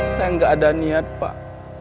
saya nggak ada niat pak